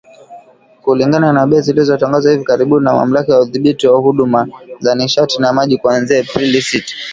Kulingana na bei zilizotangazwa hivi karibuni na Mamlaka ya Udhibiti wa Huduma za Nishati na Maji kuanzia Aprili sita